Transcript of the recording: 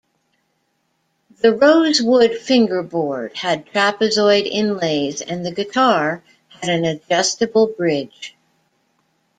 The rosewood fingerboard had trapezoid inlays, and the guitar had an adjustable bridge.